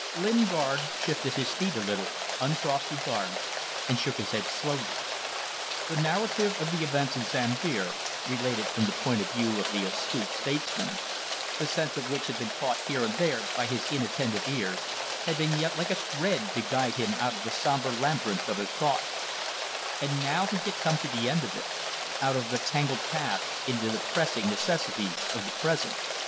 Lingard shifted his feet a little, uncrossed his arms, and shook his head slowly. The narrative of the events in Sambir, related from the point of view of the astute statesman, the sense of which had been caught here and there by his inattentive ears, had been yet like a thread to guide him out of the sombre labyrinth of his thoughts; and now he had come to the end of it, out of the tangled past into the pressing necessities of the present.